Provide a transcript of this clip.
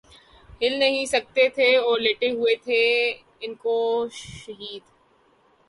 ہل نہیں سکتے تھے اور لیٹے ہوئے تھے انکو شہید